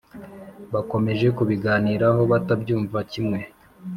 bakomeje kubiganiraho batabyumva kimwe